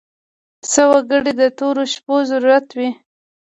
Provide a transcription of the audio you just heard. څه وګړي د تورو شپو ضرورت وي.